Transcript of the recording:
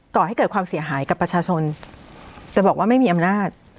ก่อให้เกิดความเสียหายกับประชาชนแต่บอกว่าไม่มีอำนาจ